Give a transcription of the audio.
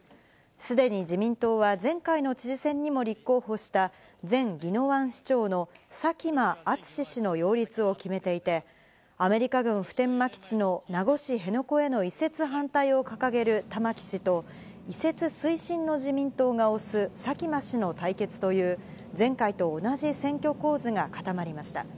すでに自民党は、前回の知事選にも立候補した、前宜野湾市長の佐喜真淳氏の擁立を決めていて、アメリカ軍普天間基地の名護市辺野古への移設反対を掲げる玉城氏と、移設推進の自民党が推す佐喜真氏の対決という、前回と同じ選挙構図が固まりました。